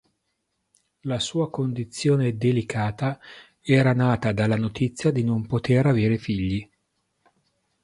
La sua condizione delicata era nata dalla notizia di non poter avere figli.